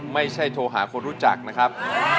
ไม่ใช่โทรหาคนรู้จักนะครับ